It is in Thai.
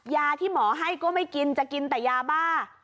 ยาที่หมอให้ก็ไม่กินจะกินแต่ยาบ้า